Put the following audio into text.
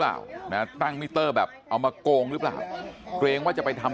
เปล่านะตั้งมิเตอร์แบบเอามาโกงหรือเปล่าเกรงว่าจะไปทำ